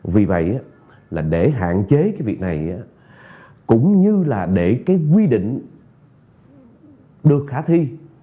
vì vậy là để hạn chế cái việc này cũng như là để cái quy định được khả thi